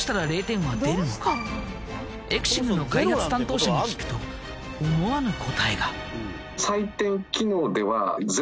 エクシングの開発担当者に聞くと思わぬ答えが。